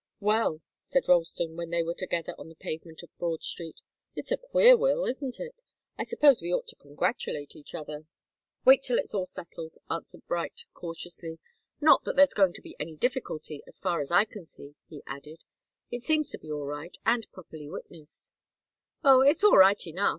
"Well," said Ralston, when they were together on the pavement of Broad Street, "it's a queer will, isn't it? I suppose we ought to congratulate each other." "Wait till it's all settled," answered Bright, cautiously. "Not that there's going to be any difficulty, as far as I can see," he added. "It seems to be all right, and properly witnessed." "Oh it's all right enough.